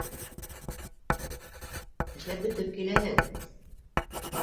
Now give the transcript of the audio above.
Эшләп бөтөп киләһең...